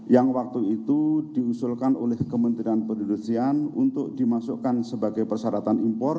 yang waktu itu diusulkan oleh kementerian perindustrian untuk dimasukkan sebagai persyaratan impor